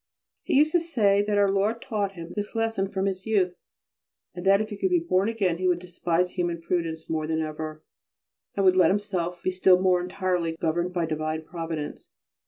He used to say that Our Lord taught him this lesson from his youth, and that if he could be born again he would despise human prudence more than ever, and would let himself be still more entirely governed by divine Providence.